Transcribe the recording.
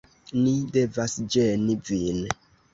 Ni devas ĝeni vin